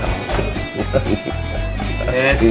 lah mau lemes dateng